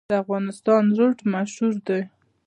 د افغانستان روټ مشهور دی